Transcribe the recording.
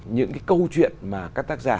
những câu chuyện mà các tác giả